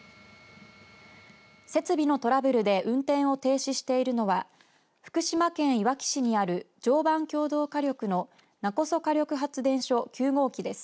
設備のトラブルで運転を停止しているのは福島県いわき市にある常磐共同火力の勿来火力発電所９号機です。